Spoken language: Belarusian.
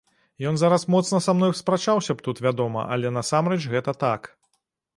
Ён зараз моцна са мной спрачаўся б тут, вядома, але насамрэч гэта так.